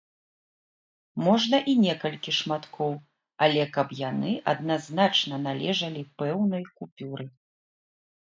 Можна і некалькі шматкоў, але каб яны адназначна належалі пэўнай купюры.